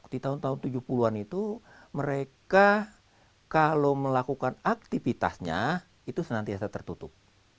di tahun tahun tujuh puluh an itu mereka kalau melakukan aktivitasnya itu senantiasa tertutup